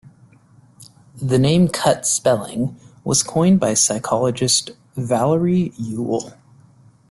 The name "Cut Spelling" was coined by psychologist Valerie Yule.